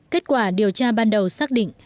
kết quả điều tra ban đầu xác định